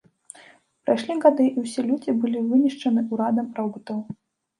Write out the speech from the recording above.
Прайшлі гады, і ўсе людзі былі вынішчаны ўрадам робатаў.